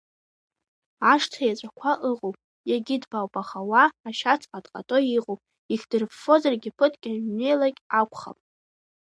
Ашҭа иаҵәақәа ыҟоуп, иагьыҭбаауп, аха уа ашьац ҟатҟато иҟоуп, ихдырффозаргьы ԥыҭк ианҩеилак акәхап.